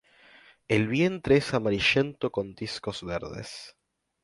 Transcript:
El vientre es amarillento con discos verdes.